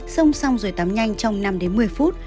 sông xong rồi tắm nhanh trong năm một mươi phút